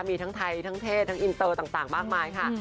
มีทั้งไทยทั้งเทศทั้งอินเตอร์ต่างมากมายค่ะ